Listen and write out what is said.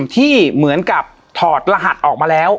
ที่เหมือนกับถอดรหัสออกมาแล้ว